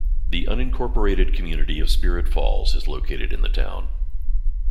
The unincorporated community of Spirit Falls is located in the town.